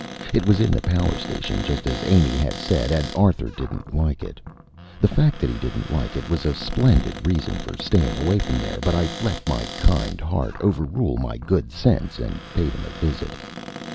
It was in the power station, just as Amy had said, and Arthur didn't like it. The fact that he didn't like it was a splendid reason for staying away from there, but I let my kind heart overrule my good sense and paid him a visit.